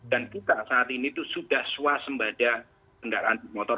dan kita saat ini itu sudah swasembada kendaraan per motor